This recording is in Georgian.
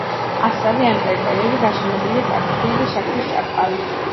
ასევე ამ ტერიტორიაზე გაშენებულია კარტოფილი და შაქრის ჭარხალი.